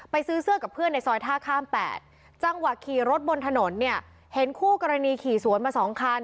ซื้อเสื้อกับเพื่อนในซอยท่าข้าม๘จังหวะขี่รถบนถนนเนี่ยเห็นคู่กรณีขี่สวนมา๒คัน